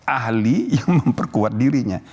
ahli yang memperkuat dirinya